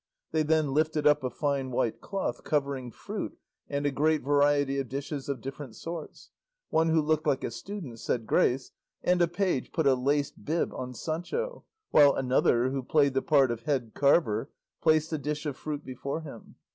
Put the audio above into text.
They then lifted up a fine white cloth covering fruit and a great variety of dishes of different sorts; one who looked like a student said grace, and a page put a laced bib on Sancho, while another who played the part of head carver placed a dish of fruit before him.